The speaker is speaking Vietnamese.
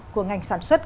của ngành sản xuất